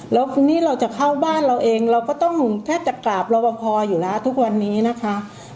แล้วทีนี้เราจะเข้าบ้านเราเองเราก็ต้องแทบจะกราบรอบพออยู่แล้วทุกวันนี้นะคะ